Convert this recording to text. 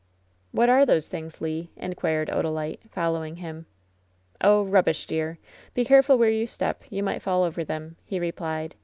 "What are those things, Le V^ inquired Odalite, fol lowing him. "Oh, rubbish, dear. Be careful where you step, you might fall over them," he replied.